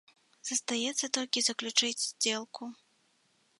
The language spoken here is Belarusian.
Застаецца толькі заключыць здзелку.